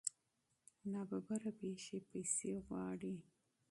ناڅاپي پېښې پیسې غواړي.